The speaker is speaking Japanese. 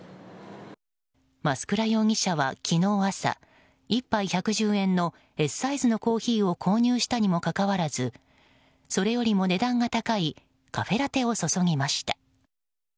増倉容疑者は、昨日朝１杯１１０円のＳサイズのコーヒーを購入したにもかかわらずそれよりも値段が高いカフェラテを注ぎました。